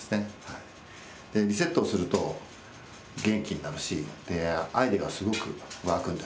リセットをすると元気になるしアイデアがすごく湧くんです。